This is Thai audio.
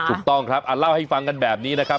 ถูกต้องครับเล่าให้ฟังกันแบบนี้นะครับ